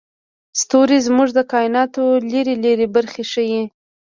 ستوري زموږ د کایناتو لرې لرې برخې ښيي.